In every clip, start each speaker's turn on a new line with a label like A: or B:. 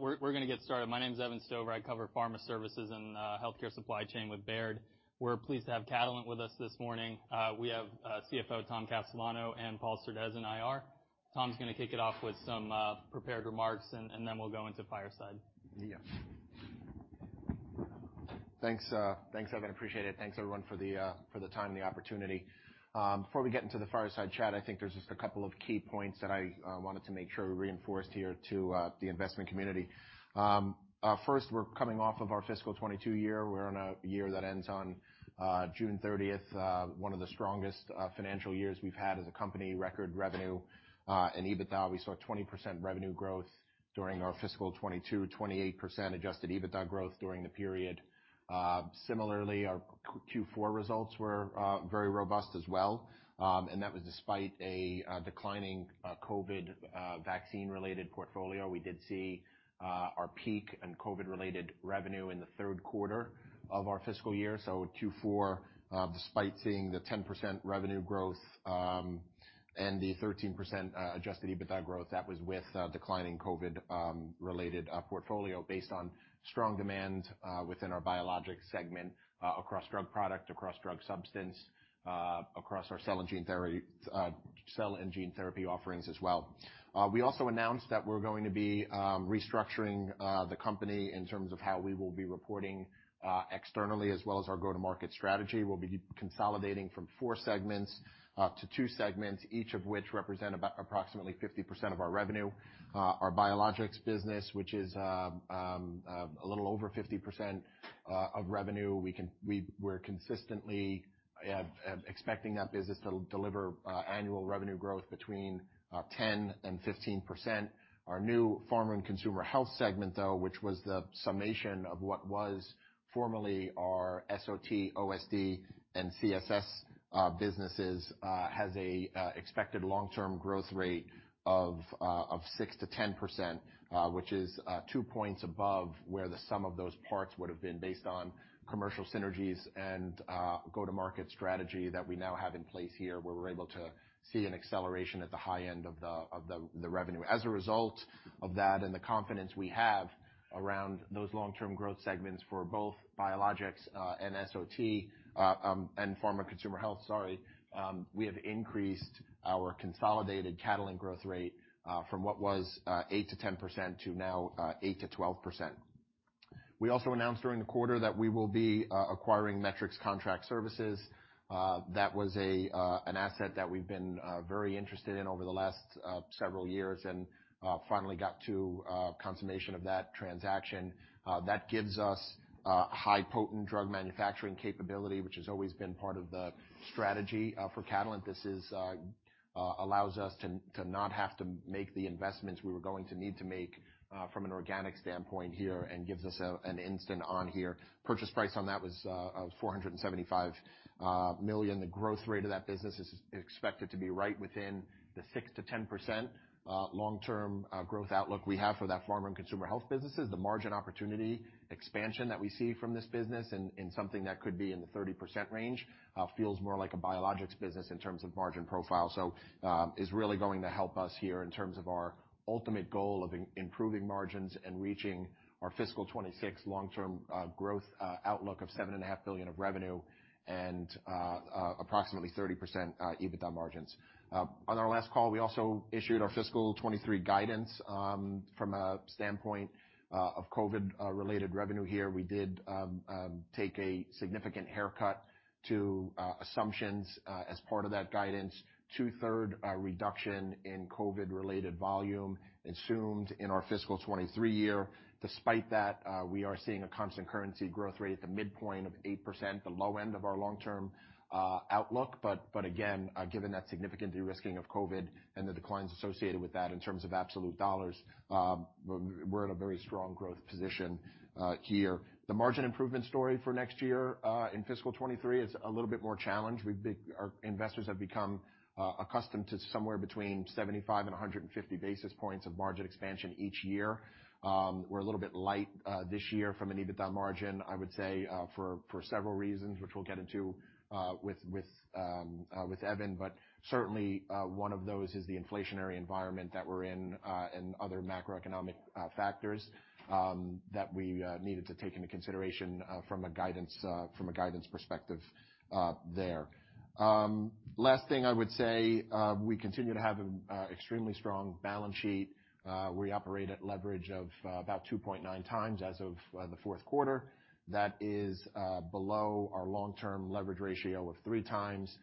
A: We're going to get started. My name's Evan Stover. I cover pharma services and healthcare supply chain with Baird. We're pleased to have Catalent with us this morning. We have CFO Tom Castellano and Paul Surdez in IR. Tom's gonna kick it off with some prepared remarks, and then we'll go into Fireside.
B: Yes. Thanks. Thanks, Evan. Appreciate it. Thanks, everyone, for the time and the opportunity. Before we get into the fireside chat, I think there's just a couple of key points that I wanted to make sure we reinforced here to the investment community. First, we're coming off of our Fiscal 2022 year. We're on a year that ends on June 30th, one of the strongest financial years we've had as a company, record revenue in EBITDA. We saw a 20% revenue growth during our Fiscal 2022, 28% adjusted EBITDA growth during the period. Similarly, our Q4 results were very robust as well. That was despite a declining COVID vaccine-related portfolio. We did see our peak in COVID-related revenue in the third quarter of our fiscal year. So Q4, despite seeing the 10% revenue growth and the 13% adjusted EBITDA growth, that was with declining COVID-related portfolio based on strong demand within our biologics segment, across drug product, across drug substance, across our cell and gene therapy offerings as well. We also announced that we're going to be restructuring the company in terms of how we will be reporting externally as well as our go-to-market strategy. We'll be consolidating from four segments to two segments, each of which represent about approximately 50% of our revenue. Our biologics business, which is a little over 50% of revenue. We're consistently expecting that business to deliver annual revenue growth between 10% and 15%. Our new Pharma and Consumer Health segment, though, which was the summation of what was formerly our SOT, OSD, and CSS businesses, has an expected long-term growth rate of 6% to 10%, which is two points above where the sum of those parts would have been based on commercial synergies and go-to-market strategy that we now have in place here where we're able to see an acceleration at the high end of the revenue. As a result of that and the confidence we have around those long-term growth segments for both biologics and SOT and Pharma and Consumer Health, sorry, we have increased our consolidated Catalent growth rate from what was 8% to 10% to now 8% to 12%. We also announced during the quarter that we will be acquiring Metrics Contract Services. That was an asset that we've been very interested in over the last several years and finally got to consummation of that transaction. That gives us high-potent drug manufacturing capability, which has always been part of the strategy for Catalent. This allows us to not have to make the investments we were going to need to make from an organic standpoint here and gives us an instant on here. Purchase price on that was $475 million. The growth rate of that business is expected to be right within the 6% to 10% long-term growth outlook we have for that pharma and consumer health businesses. The margin opportunity expansion that we see from this business in something that could be in the 30% range feels more like a biologics business in terms of margin profile. So, is really going to help us here in terms of our ultimate goal of improving margins and reaching our Fiscal 2026 long-term growth outlook of $7.5 billion of revenue and approximately 30% EBITDA margins. On our last call, we also issued our Fiscal 2023 guidance from a standpoint of COVID-related revenue here. We did take a significant haircut to assumptions as part of that guidance. Two-thirds reduction in COVID-related volume assumed in our Fiscal 2023 year. Despite that, we are seeing a constant currency growth rate at the midpoint of 8%, the low end of our long-term outlook. But again, given that significant de-risking of COVID and the declines associated with that in terms of absolute dollars, we're in a very strong growth position here. The margin improvement story for next year in Fiscal 2023 is a little bit more challenged. Our investors have become accustomed to somewhere between 75 and 150 basis points of margin expansion each year. We're a little bit light this year from an EBITDA margin, I would say, for several reasons, which we'll get into with Evan, but certainly one of those is the inflationary environment that we're in and other macroeconomic factors that we needed to take into consideration from a guidance perspective there. The last thing I would say, we continue to have an extremely strong balance sheet. We operate at leverage of about 2.9x as of the fourth quarter. That is below our long-term leverage ratio of three times,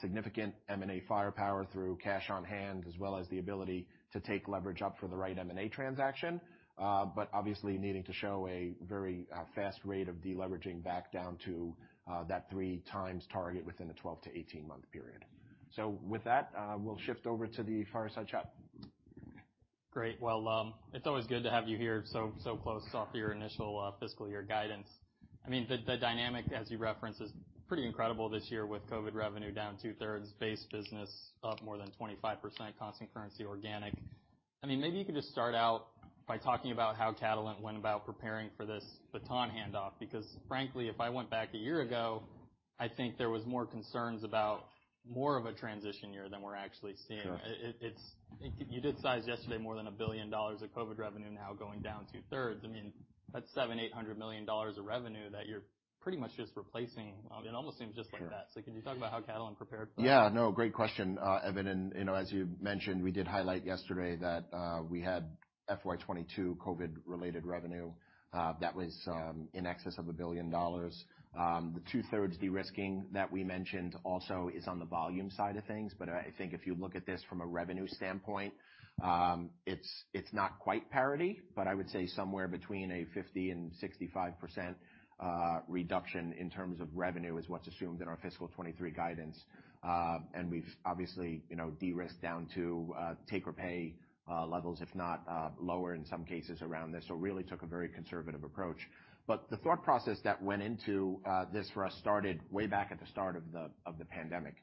B: significant M&A firepower through cash on hand as well as the ability to take leverage up for the right M&A transaction. But obviously needing to show a very fast rate of deleveraging back down to that 3x target within a 12 month to 18-month period. So with that, we'll shift over to the Fireside chat.
A: Great. Well, it's always good to have you here, so close off your initial fiscal year guidance. I mean, the dynamic, as you referenced, is pretty incredible this year with COVID revenue down 2/3 base business up more than 25%, constant currency organic. I mean, maybe you could just start out by talking about how Catalent went about preparing for this baton handoff because, frankly, if I went back a year ago, I think there was more concerns about more of a transition year than we're actually seeing.
B: Sure. You did size yesterday more than $1 billion of COVID revenue now going down 2/3. I mean, that's $700 million, $800 million of revenue that you're pretty much just replacing. I mean, it almost seems just like that. Yeah.
A: So could you talk about how Catalent prepared for that?
B: Yeah. No, great question, Evan. And, you know, as you mentioned, we did highlight yesterday that, we had FY 2022 COVID-related revenue, that was, in excess of $1 billion. The two-thirds de-risking that we mentioned also is on the volume side of things. But I, I think if you look at this from a revenue standpoint, it's, it's not quite parity, but I would say somewhere between 50% and 65% reduction in terms of revenue is what's assumed in our Fiscal 2023 guidance. And we've obviously, you know, de-risked down to take-or-pay levels, if not, lower in some cases around this. So really took a very conservative approach. But the thought process that went into this for us started way back at the start of the pandemic.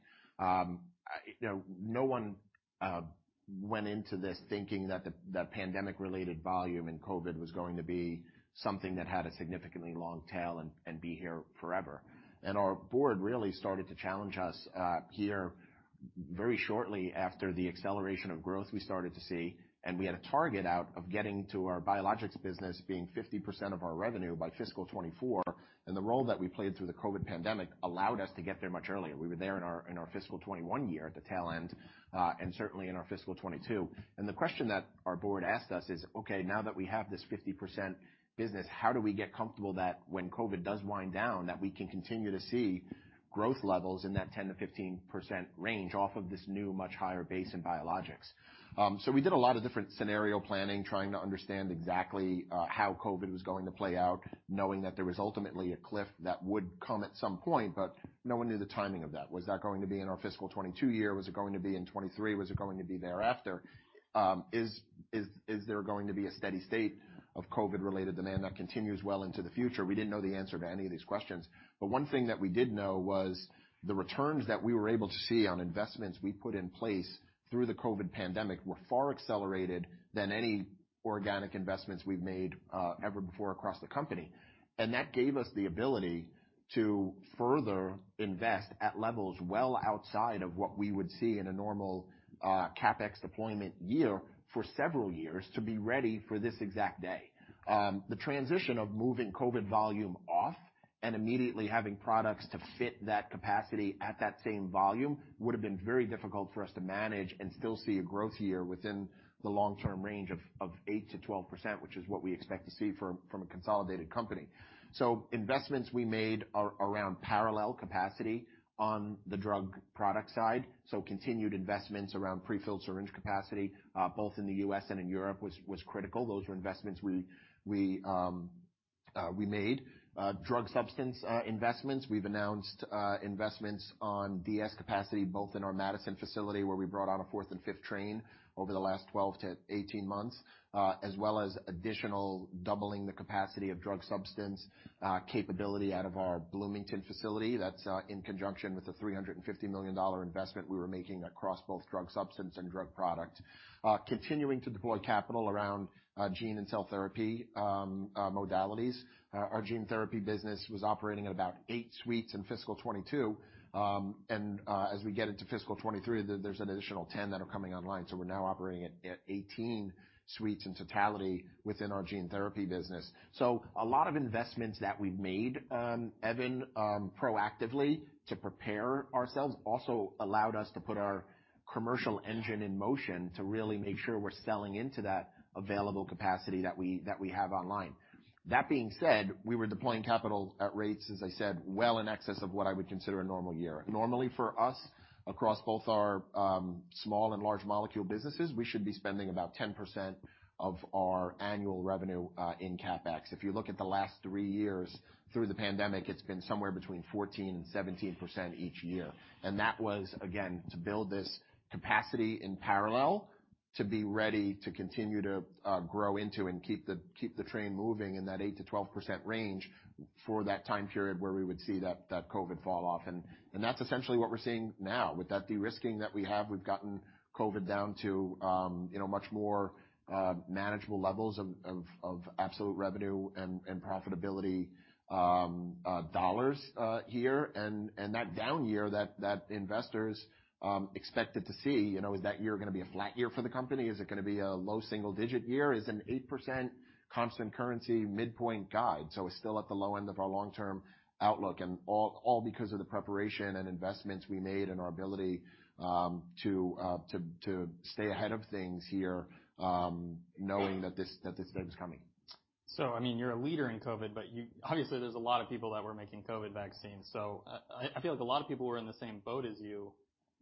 B: You know, no one went into this thinking that the pandemic-related volume in COVID was going to be something that had a significantly long tail and be here forever. Our board really started to challenge us here very shortly after the acceleration of growth we started to see. We had a target of getting to our biologics business being 50% of our revenue by Fiscal 2024. The role that we played through the COVID pandemic allowed us to get there much earlier. We were there in our Fiscal 2021 year at the tail end, and certainly in our Fiscal 2022. And the question that our board asked us is, "Okay, now that we have this 50% business, how do we get comfortable that when COVID does wind down, that we can continue to see growth levels in that 10% to 15% range off of this new much higher base in biologics?" So we did a lot of different scenario planning, trying to understand exactly how COVID was going to play out, knowing that there was ultimately a cliff that would come at some point. But no one knew the timing of that. Was that going to be in our Fiscal 2022 year? Was it going to be in 2023? Was it going to be thereafter? Is there going to be a steady state of COVID-related demand that continues well into the future? We didn't know the answer to any of these questions. But one thing that we did know was the returns that we were able to see on investments we put in place through the COVID pandemic were far accelerated than any organic investments we've made, ever before across the company. And that gave us the ability to further invest at levels well outside of what we would see in a normal, CapEx deployment year for several years to be ready for this exact day. The transition of moving COVID volume off and immediately having products to fit that capacity at that same volume would have been very difficult for us to manage and still see a growth year within the long-term range of 8% to 12%, which is what we expect to see from a consolidated company. So investments we made are around parallel capacity on the drug product side. So continued investments around prefilled syringe capacity, both in the U.S. and in Europe was critical. Those were investments we made. Drug substance investments, we've announced investments on DS capacity both in our Madison facility where we brought on a fourth and fifth train over the last 12 months to 18 months, as well as additional doubling the capacity of drug substance capability out of our Bloomington facility. That's in conjunction with the $350 million investment we were making across both drug substance and drug product. Continuing to deploy capital around gene and cell therapy modalities. Our gene therapy business was operating at about eight suites in Fiscal 2022. And as we get into Fiscal 2023, there's an additional 10 suites that are coming online. So we're now operating at 18 suites in totality within our gene therapy business. A lot of investments that we've made, Evan, proactively to prepare ourselves also allowed us to put our commercial engine in motion to really make sure we're selling into that available capacity that we have online. That being said, we were deploying capital at rates, as I said, well in excess of what I would consider a normal year. Normally for us, across both our small and large molecule businesses, we should be spending about 10% of our annual revenue in CapEx. If you look at the last three years through the pandemic, it's been somewhere between 14% and 17% each year. That was, again, to build this capacity in parallel to be ready to continue to grow into and keep the train moving in that 8% to 12% range for that time period where we would see that COVID fall off. That's essentially what we're seeing now. With that de-risking that we have, we've gotten COVID down to, you know, much more manageable levels of absolute revenue and profitability dollars here. That down year that investors expected to see, you know, is that year going to be a flat year for the company? Is it going to be a low single-digit year? Is an 8% constant currency midpoint guide? It's still at the low end of our long-term outlook. All because of the preparation and investments we made and our ability to stay ahead of things here, knowing that this thing's coming.
A: So, I mean, you're a leader in COVID, but you obviously there's a lot of people that were making COVID vaccines. So, I feel like a lot of people were in the same boat as you,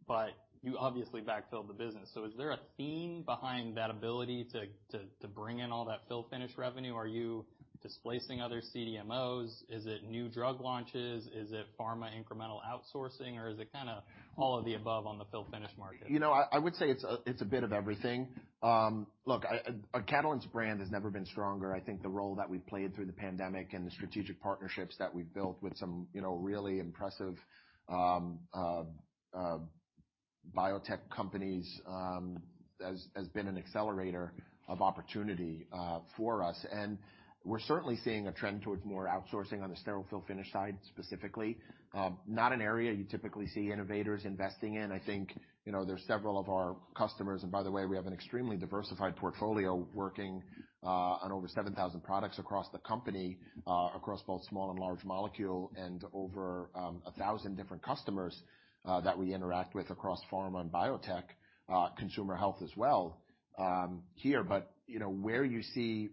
A: but you obviously backfilled the business. So is there a theme behind that ability to bring in all that fill-finish revenue? Are you displacing other CDMOs? Is it new drug launches? Is it pharma incremental outsourcing or is it kind of all of the above on the fill-finish market?
B: You know, I would say it's a bit of everything. Look, Catalent's brand has never been stronger. I think the role that we've played through the pandemic and the strategic partnerships that we've built with some, you know, really impressive biotech companies has been an accelerator of opportunity for us. And we're certainly seeing a trend towards more outsourcing on the sterile fill-finish side specifically. Not an area you typically see innovators investing in. I think, you know, there's several of our customers, and by the way, we have an extremely diversified portfolio working on over 7,000 products across the company, across both small and large molecule and over 1,000 different customers that we interact with across pharma and biotech, consumer health as well, here. But you know where you see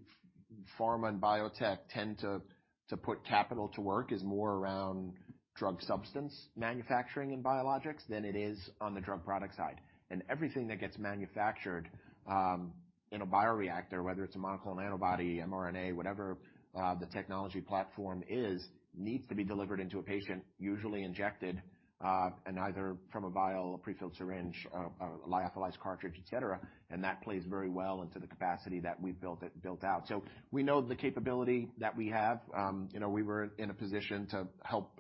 B: pharma and biotech tend to put capital to work is more around drug substance manufacturing and biologics than it is on the drug product side. And everything that gets manufactured in a bioreactor, whether it's a monoclonal antibody, mRNA, whatever, the technology platform is, needs to be delivered into a patient, usually injected, and either from a vial, a prefilled syringe, a lyophilized cartridge, etc. And that plays very well into the capacity that we've built out. So we know the capability that we have. You know, we were in a position to help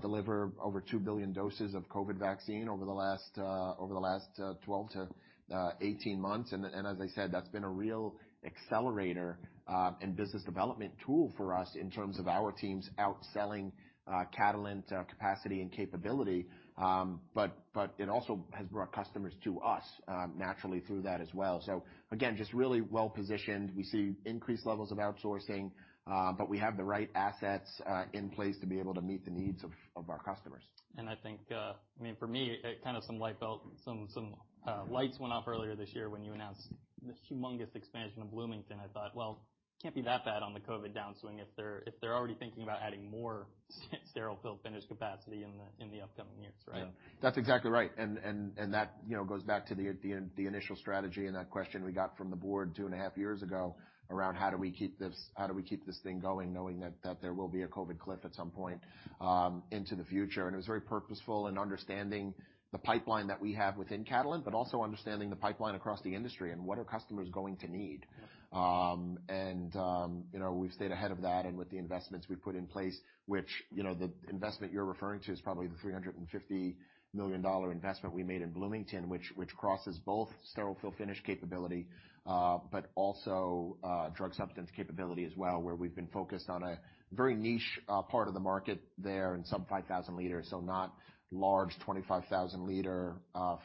B: deliver over 2 billion doses of COVID vaccine over the last 12 months to 18 months. And as I said, that's been a real accelerator and business development tool for us in terms of our teams outselling Catalent capacity and capability. But it also has brought customers to us, naturally through that as well. So, again, just really well positioned. We see increased levels of outsourcing, but we have the right assets in place to be able to meet the needs of our customers.
A: I think, I mean, for me, it kind of, some lights went off earlier this year when you announced the humongous expansion of Bloomington. I thought, "Well, can't be that bad on the COVID downswing if they're already thinking about adding more sterile fill-finish capacity in the upcoming years," right?
B: Yeah. That's exactly right. And that, you know, goes back to the initial strategy and that question we got from the board two and a half years ago around how do we keep this thing going knowing that there will be a COVID cliff at some point in the future. And it was very purposeful in understanding the pipeline that we have within Catalent, but also understanding the pipeline across the industry and what customers are going to need.
A: Yeah.
B: And, you know, we've stayed ahead of that and with the investments we've put in place, which, you know, the investment you're referring to is probably the $350 million investment we made in Bloomington, which crosses both sterile fill-finish capability, but also, drug substance capability as well, where we've been focused on a very niche, part of the market there in sub-5,000 liters. So not large 25,000 liter,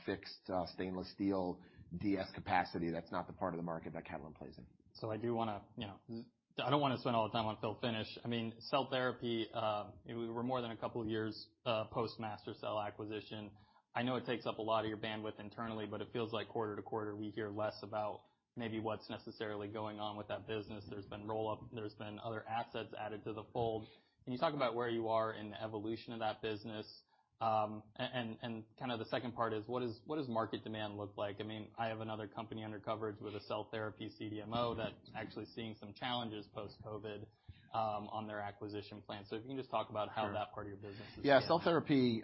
B: fixed, stainless steel DS capacity. That's not the part of the market that Catalent plays in.
A: So I do want to, you know, I don't want to spend all the time on fill-finish. I mean, cell therapy, we were more than a couple of years post-MaSTherCell acquisition. I know it takes up a lot of your bandwidth internally, but it feels like quarter to quarter we hear less about maybe what's necessarily going on with that business. There's been roll-up. There's been other assets added to the fold. Can you talk about where you are in the evolution of that business? And kind of the second part is what does market demand look like? I mean, I have another company under coverage with a cell therapy CDMO that's actually seeing some challenges post-COVID on their acquisition plan. So if you can just talk about how that part of your business is.
B: Yeah. Cell therapy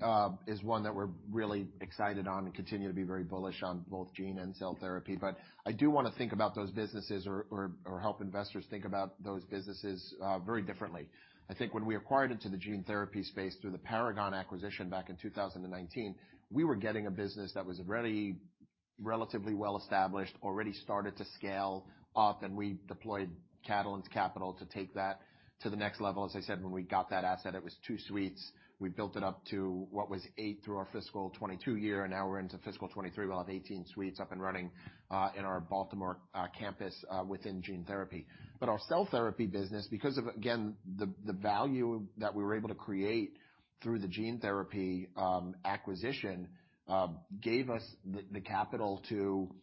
B: is one that we're really excited on and continue to be very bullish on both gene and cell therapy. But I do want to think about those businesses or help investors think about those businesses very differently. I think when we acquired into the gene therapy space through the Paragon acquisition back in 2019, we were getting a business that was already relatively well established, already started to scale up. And we deployed Catalent's capital to take that to the next level. As I said, when we got that asset, it was two suites. We built it up to what was eight through our Fiscal 2022 year. And now we're into Fiscal 2023. We'll have 18 suites up and running in our Baltimore campus within gene therapy. But our cell therapy business, because of, again, the value that we were able to create through the gene therapy acquisition, gave us the capital to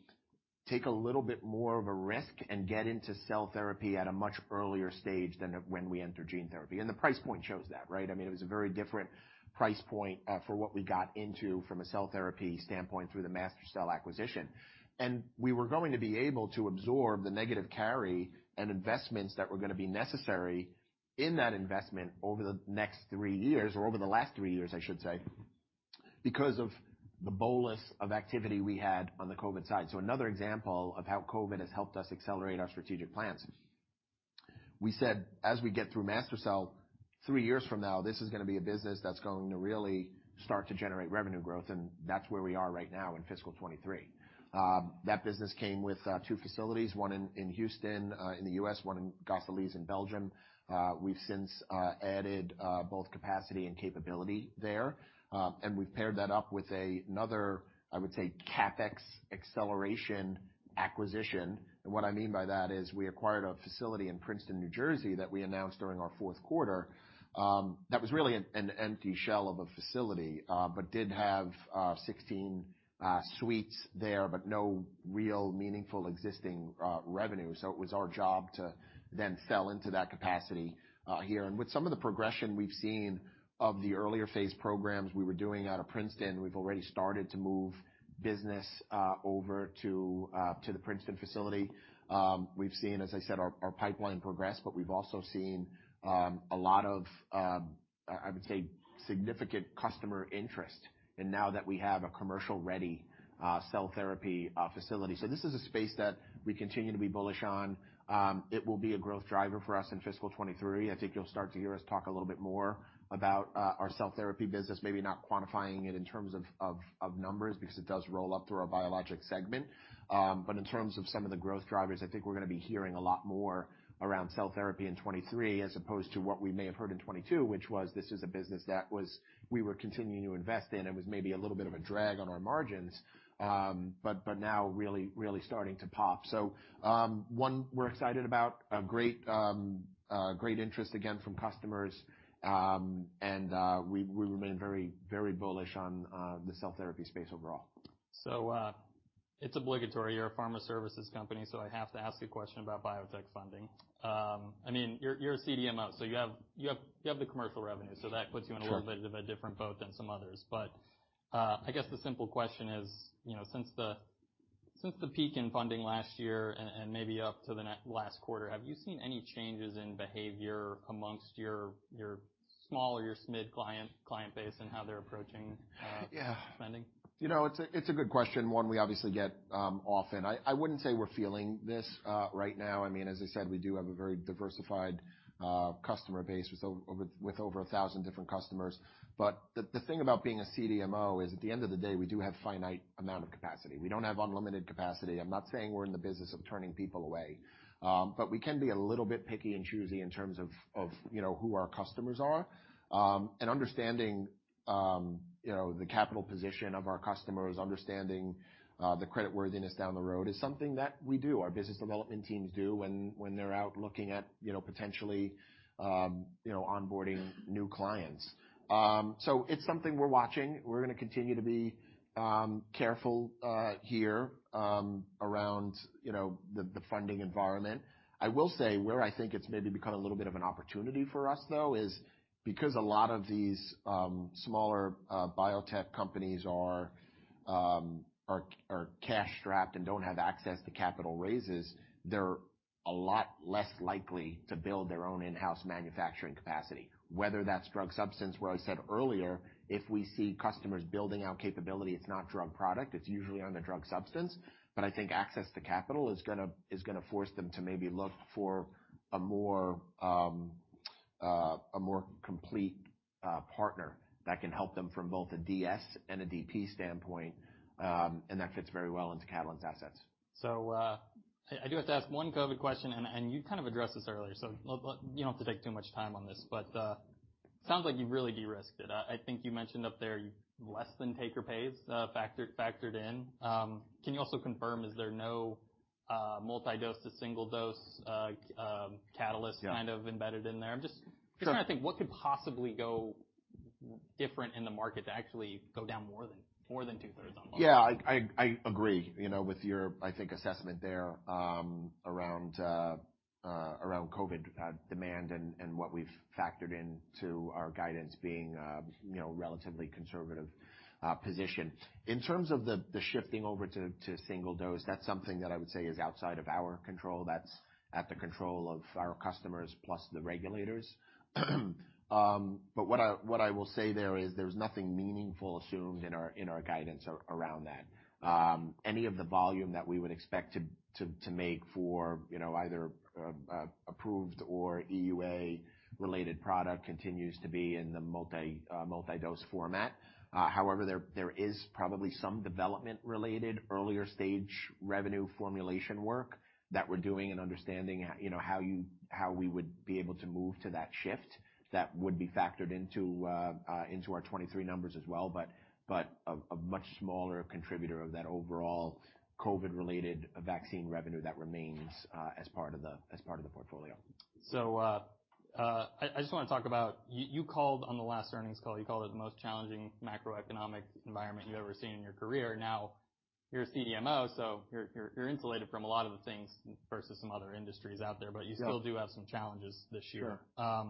B: take a little bit more of a risk and get into cell therapy at a much earlier stage than when we entered gene therapy. And the price point shows that, right? I mean, it was a very different price point for what we got into from a cell therapy standpoint through the MaSTherCell acquisition. And we were going to be able to absorb the negative carry and investments that were going to be necessary in that investment over the next three years or over the last three years, I should say, because of the bolus of activity we had on the COVID side. So another example of how COVID has helped us accelerate our strategic plans. We said, "As we get through MaSTherCell three years from now, this is going to be a business that's going to really start to generate revenue growth." And that's where we are right now in Fiscal 2023. That business came with two facilities, one in Houston in the U.S., one in Gosselies in Belgium. We've since added both capacity and capability there. And we've paired that up with another, I would say, CapEx acceleration acquisition. And what I mean by that is we acquired a facility in Princeton, New Jersey, that we announced during our fourth quarter, that was really an empty shell of a facility, but did have 16 suites there, but no real meaningful existing revenue. So it was our job to then sell into that capacity here. With some of the progression we've seen of the earlier phase programs we were doing out of Princeton, we've already started to move business over to the Princeton facility. We've seen, as I said, our pipeline progress, but we've also seen a lot of, I would say, significant customer interest now that we have a commercial-ready cell therapy facility. This is a space that we continue to be bullish on. It will be a growth driver for us in Fiscal 2023. I think you'll start to hear us talk a little bit more about our cell therapy business, maybe not quantifying it in terms of numbers because it does roll up through our biologics segment. But in terms of some of the growth drivers, I think we're going to be hearing a lot more around cell therapy in 2023 as opposed to what we may have heard in 2022, which was this is a business that was we were continuing to invest in. It was maybe a little bit of a drag on our margins but now really, really starting to pop. So, one we're excited about, a great, great interest again from customers. And, we, we remain very, very bullish on the cell therapy space overall.
A: So, it's obligatory. You're a pharma services company. So I have to ask a question about biotech funding. I mean, you're a CDMO. So you have the commercial revenue. So that puts you in a little bit of a different boat than some others. But I guess the simple question is, you know, since the peak in funding last year and maybe up to the end of last quarter, have you seen any changes in behavior among your small or mid-client base and how they're approaching spending?
B: Yeah. You know, it's a good question. One we obviously get often. I wouldn't say we're feeling this right now. I mean, as I said, we do have a very diversified customer base with over 1,000 different customers. But the thing about being a CDMO is at the end of the day, we do have a finite amount of capacity. We don't have unlimited capacity. I'm not saying we're in the business of turning people away. But we can be a little bit picky and choosy in terms of you know, who our customers are and understanding you know, the capital position of our customers, understanding the creditworthiness down the road is something that we do. Our business development teams do when they're out looking at you know, potentially you know, onboarding new clients. So it's something we're watching. We're going to continue to be careful here around you know the funding environment. I will say where I think it's maybe become a little bit of an opportunity for us though is because a lot of these smaller biotech companies are cash-strapped and don't have access to capital raises, they're a lot less likely to build their own in-house manufacturing capacity, whether that's drug substance where I said earlier, if we see customers building out capability, it's not drug product. It's usually on the drug substance. But I think access to capital is going to force them to maybe look for a more complete partner that can help them from both a DS and a DP standpoint, and that fits very well into Catalent's assets.
A: So, I do have to ask one COVID question. And you kind of addressed this earlier. So, you don't have to take too much time on this. But it sounds like you really de-risked it. I think you mentioned up there you less than take-or-pays factored in. Can you also confirm, is there no multi-dose to single dose catalyst kind of embedded in there? I'm just trying to think what could possibly go different in the market to actually go down more than two-thirds on both.
B: Yeah. I agree, you know, with your, I think, assessment there, around COVID demand and what we've factored into our guidance being, you know, relatively conservative position. In terms of the shifting over to single dose, that's something that I would say is outside of our control. That's at the control of our customers plus the regulators. But what I will say there is there's nothing meaningful assumed in our guidance around that. Any of the volume that we would expect to make for, you know, either an approved or EUA-related product continues to be in the multi-dose format. However, there is probably some development-related earlier stage revenue formulation work that we're doing and understanding, you know, how we would be able to move to that shift that would be factored into our 2023 numbers as well, but a much smaller contributor of that overall COVID-related vaccine revenue that remains as part of the portfolio.
A: I just want to talk about you. You called on the last earnings call. You called it the most challenging macroeconomic environment you've ever seen in your career. Now you're a CDMO. So you're insulated from a lot of the things versus some other industries out there. But you still do have some challenges this year.
B: Sure.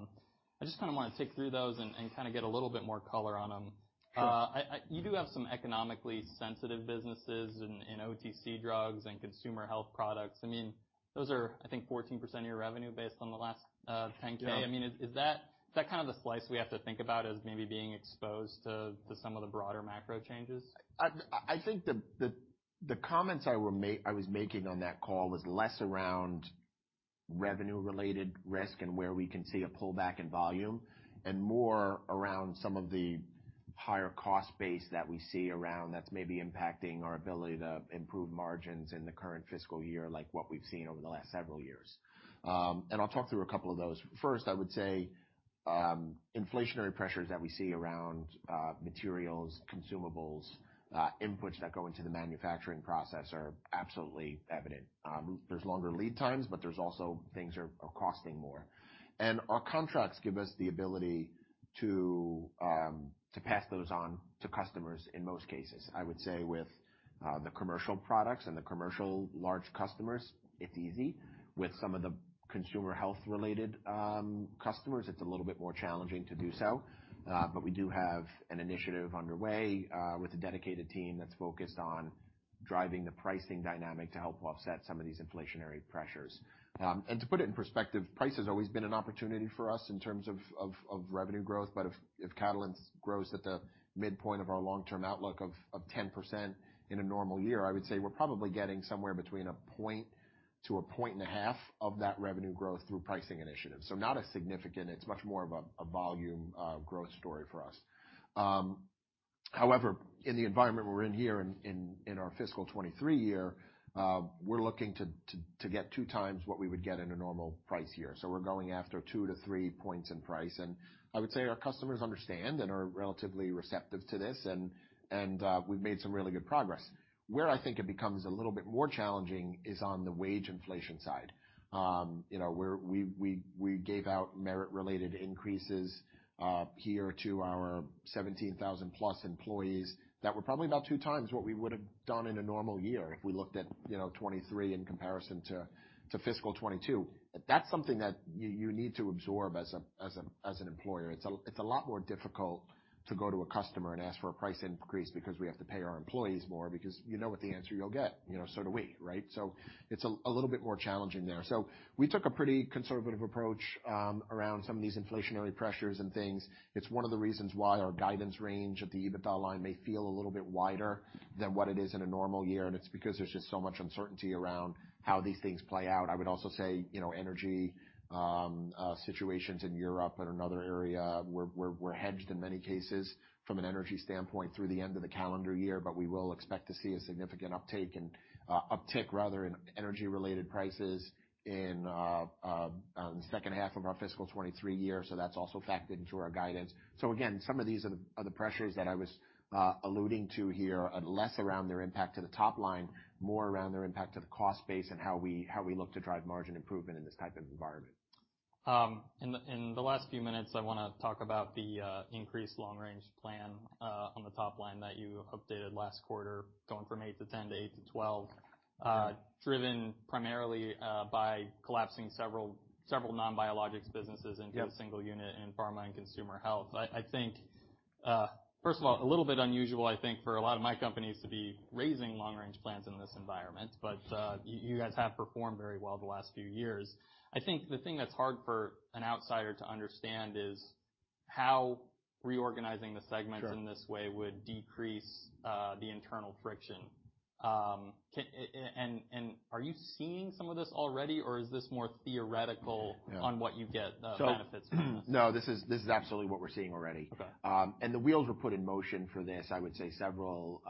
A: I just kind of want to take through those and kind of get a little bit more color on them. I, you do have some economically sensitive businesses in OTC drugs and consumer health products. I mean, those are, I think, 14% of your revenue based on the last 10-K. I mean, is that kind of the slice we have to think about as maybe being exposed to some of the broader macro changes?
B: I think the comments I was making on that call was less around revenue-related risk and where we can see a pullback in volume and more around some of the higher cost base that we see around that's maybe impacting our ability to improve margins in the current fiscal year, like what we've seen over the last several years. I'll talk through a couple of those. First, I would say, inflationary pressures that we see around materials, consumables, inputs that go into the manufacturing process are absolutely evident. There's longer lead times, but there's also things are costing more. Our contracts give us the ability to pass those on to customers in most cases. I would say with the commercial products and the commercial large customers, it's easy. With some of the consumer health-related customers, it's a little bit more challenging to do so. But we do have an initiative underway with a dedicated team that's focused on driving the pricing dynamic to help offset some of these inflationary pressures. And to put it in perspective, price has always been an opportunity for us in terms of revenue growth. But if Catalent grows at the midpoint of our long-term outlook of 10% in a normal year, I would say we're probably getting somewhere between a point to a point and a half of that revenue growth through pricing initiative. So, not a significant. It's much more of a volume growth story for us. However, in the environment we're in here in our Fiscal 2023 year, we're looking to get two times what we would get in a normal price year. So we're going after two to three points in price. And I would say our customers understand and are relatively receptive to this. And we've made some really good progress. Where I think it becomes a little bit more challenging is on the wage inflation side. You know, where we gave out merit-related increases here to our 17,000+ employees that were probably about two times what we would have done in a normal year if we looked at, you know, 2023 in comparison to Fiscal 2022. That's something that you need to absorb as an employer. It's a lot more difficult to go to a customer and ask for a price increase because we have to pay our employees more because you know what the answer you'll get, you know, so do we, right? So it's a little bit more challenging there. So we took a pretty conservative approach around some of these inflationary pressures and things. It's one of the reasons why our guidance range at the EBITDA line may feel a little bit wider than what it is in a normal year. And it's because there's just so much uncertainty around how these things play out. I would also say, you know, energy situations in Europe and another area we're hedged in many cases from an energy standpoint through the end of the calendar year. But we will expect to see a significant uptake and, uptick, rather, in energy-related prices in the second half of our Fiscal 2023 year. So that's also factored into our guidance. So again, some of these are the pressures that I was alluding to here, less around their impact to the top line, more around their impact to the cost base and how we look to drive margin improvement in this type of environment.
A: In the last few minutes, I want to talk about the increased long-range plan on the top line that you updated last quarter, going from $8 billion to $10 billion to $8 billion to $12 billion, driven primarily by collapsing several non-biologics businesses into a single unit in Pharma and Consumer Health. I think, first of all, a little bit unusual, I think, for a lot of my companies to be raising long-range plans in this environment. But you guys have performed very well the last few years. I think the thing that's hard for an outsider to understand is how reorganizing the segments in this way would decrease the internal friction and are you seeing some of this already, or is this more theoretical on what you get benefits from this?
B: No. No, this is absolutely what we're seeing already.
A: Okay.
C: And the wheels were put in motion for this, I would say, several,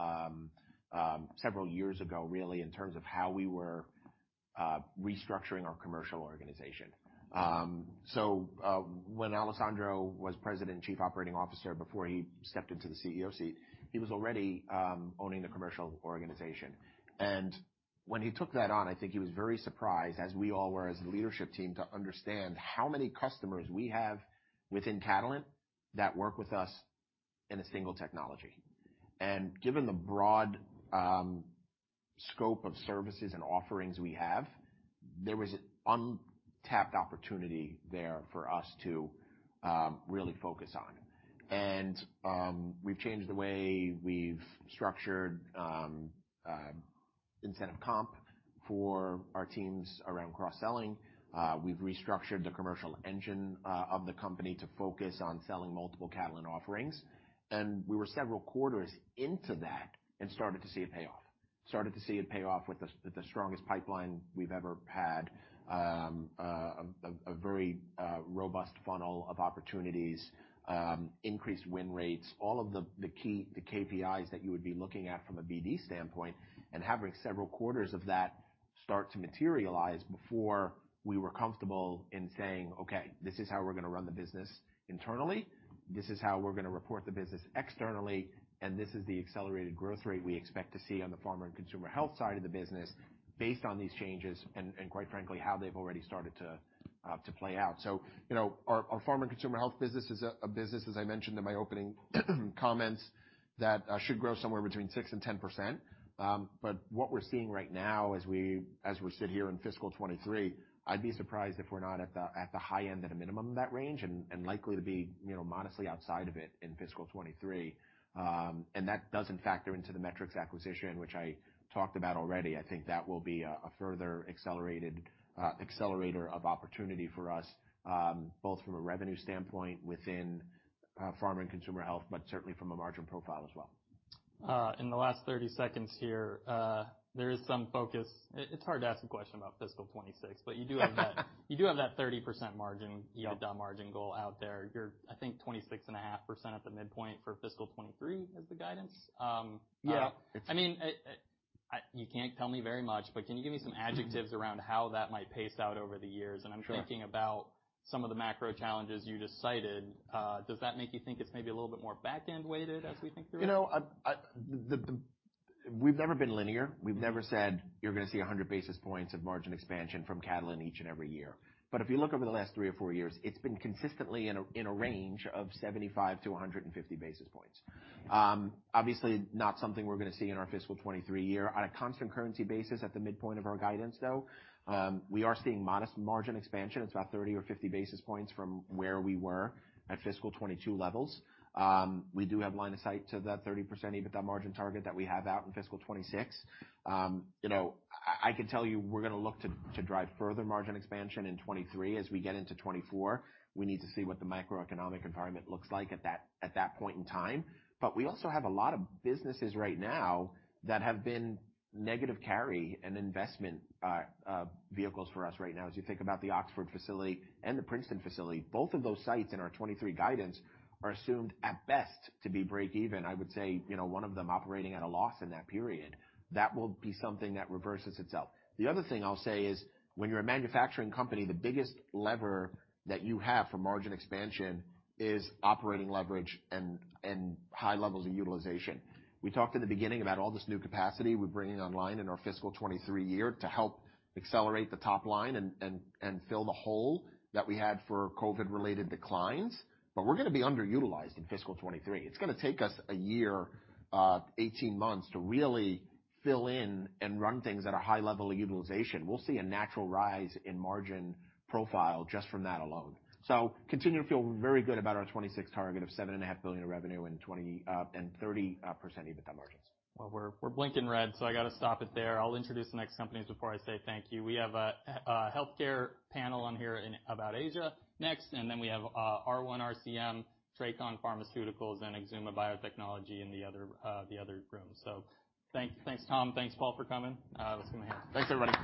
C: several years ago, really, in terms of how we were restructuring our commercial organization. So, when Alessandro was President and Chief Operating Officer before he stepped into the CEO seat, he was already owning the commercial organization. And when he took that on, I think he was very surprised, as we all were as a leadership team, to understand how many customers we have within Catalent that work with us in a single technology. And given the broad scope of services and offerings we have, there was an untapped opportunity there for us to really focus on. And we've changed the way we've structured incentive comp for our teams around cross-selling. We've restructured the commercial engine of the company to focus on selling multiple Catalent offerings.
B: We were several quarters into that and started to see it pay off, started to see it pay off with the strongest pipeline we've ever had, a very robust funnel of opportunities, increased win rates, all of the key KPIs that you would be looking at from a BD standpoint. And having several quarters of that start to materialize before we were comfortable in saying, "Okay, this is how we're going to run the business internally. This is how we're going to report the business externally. And this is the accelerated growth rate we expect to see on the Pharma and Consumer Health side of the business based on these changes and quite frankly, how they've already started to play out. So, you know, our Pharma and Consumer Health business is a business, as I mentioned in my opening comments, that should grow somewhere between 6% and 10%. But what we're seeing right now as we sit here in Fiscal 2023, I'd be surprised if we're not at the high end at a minimum of that range and likely to be, you know, modestly outside of it in Fiscal 2023. And that doesn't factor into the Metrics acquisition, which I talked about already. I think that will be a further accelerator of opportunity for us, both from a revenue standpoint within Pharma and Consumer Health, but certainly from a margin profile as well.
A: In the last 30 seconds here, there is some focus. It's hard to ask a question about Fiscal 2026, but you do have that 30% margin, EBITDA margin goal out there. You're, I think, 26.5% at the midpoint for Fiscal 2023 as the guidance.
B: Yeah.
A: I mean, you can't tell me very much, but can you give me some adjectives around how that might pace out over the years, and I'm thinking about some of the macro challenges you just cited. Does that make you think it's maybe a little bit more back-end weighted as we think through it?
B: You know, we've never been linear. We've never said you're going to see 100 basis points of margin expansion from Catalent each and every year. But if you look over the last three or four years, it's been consistently in a range of 75 basis points to 150 basis points. Obviously, not something we're going to see in our Fiscal 2023 year on a constant currency basis at the midpoint of our guidance, though. We are seeing modest margin expansion. It's about 30 basis points or 50 basis points from where we were at Fiscal 2022 levels. We do have line of sight to that 30% EBITDA margin target that we have out in Fiscal 2026. You know, can tell you we're going to look to drive further margin expansion in 2023 as we get into 2024. We need to see what the macroeconomic environment looks like at that point in time. But we also have a lot of businesses right now that have been negative carry and investment, vehicles for us right now as you think about the Oxford facility and the Princeton facility. Both of those sites in our 2023 guidance are assumed at best to be break-even. I would say, you know, one of them operating at a loss in that period. That will be something that reverses itself. The other thing I'll say is when you're a manufacturing company, the biggest lever that you have for margin expansion is operating leverage and high levels of utilization. We talked in the beginning about all this new capacity we're bringing online in our Fiscal 2023 year to help accelerate the top line and fill the hole that we had for COVID-related declines. But we're going to be underutilized in Fiscal 2023. It's going to take us a year, 18 months to really fill in and run things at a high level of utilization. We'll see a natural rise in margin profile just from that alone. So continue to feel very good about our 2026 target of $7.5 billion in revenue and 20% and 30% EBITDA margins.
A: Well, we're blinking red, so I got to stop it there. I'll introduce the next companies before I say thank you. We have a healthcare panel on here in about Asia next. And then we have R1 RCM, Tracon Pharmaceuticals, and Exuma Biotechnology in the other room. So thanks, Tom. Thanks, Paul, for coming. Let's give them a hand. Thanks, everybody.